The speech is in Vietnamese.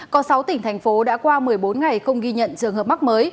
có sáu tỉnh thành phố đã qua một mươi bốn ngày không ghi nhận trường hợp mắc mới